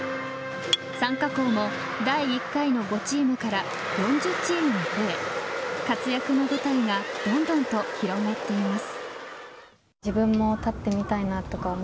参加校も第１回の５チームから４０チームに増え活躍の舞台がどんどんと広がっています。